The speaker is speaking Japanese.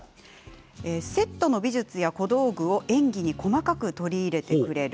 セットの美術や小道具を演技に細かく取り入れてくれる。